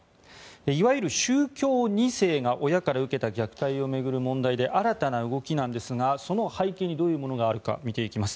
いわゆる宗教２世が親から受けた虐待を巡る問題で新たな動きなんですがその背景にどういうものがあるか見ていきます。